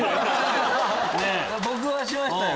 僕はしましたよ。